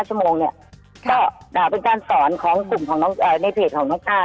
๔๕ชั่วโมงเนี่ยก็เป็นการสอนของกลุ่มในเพจของน้องจ้า